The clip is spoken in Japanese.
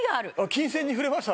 琴線に触れました？